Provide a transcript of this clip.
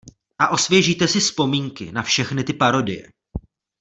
A osvěžíte si vzpomínky na všechny ty parodie.